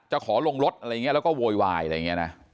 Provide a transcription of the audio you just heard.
จะขอลงรถแล้วก็โวยวาย